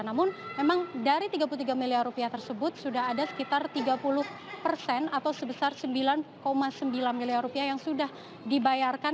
namun memang dari tiga puluh tiga miliar rupiah tersebut sudah ada sekitar tiga puluh persen atau sebesar sembilan sembilan miliar rupiah yang sudah dibayarkan